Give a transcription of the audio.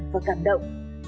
và hạnh phúc